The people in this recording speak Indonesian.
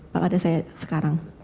pada saya sekarang